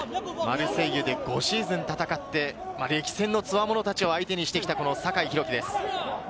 マルセイユで５シーズン戦って、歴戦のつわものたちを相手にしてきた酒井宏樹です。